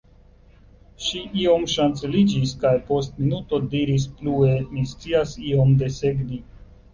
Ŝi iom ŝanceliĝis kaj post minuto diris plue: -- Mi scias iom desegni.